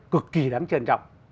cực kỳ đáng trân trọng